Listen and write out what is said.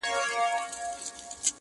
امتياز يې د وهلو کُشتن زما دی!.